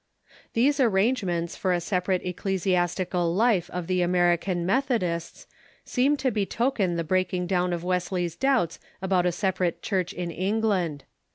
These arrangements for a separate ecclesiastical life of the American Methodists seem to betoken the breaking down of Wesley's doubts about a separate Church in England.